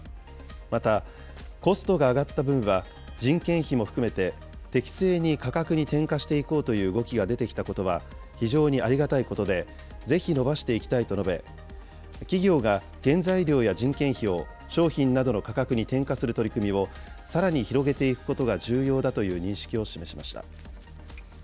また、コストが上がった分は人件費も含めて、適正に価格に転嫁していこうという動きが出てきたことは非常にありがたいことで、ぜひ伸ばしていきたいと述べ、企業が原材料や人件費を商品などの価格に転嫁する取り組みをさらに広げていくことが重要だという認識を示しました。